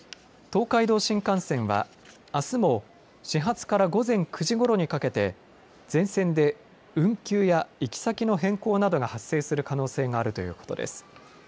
東海道新幹線はあすも、始発から午前９時ごろにかけて全線で運休や行き先の変更などが発生する可能性があるということです。